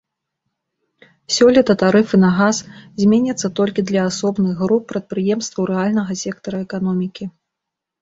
Сёлета тарыфы на газ зменяцца толькі для асобных груп прадпрыемстваў рэальнага сектара эканомікі.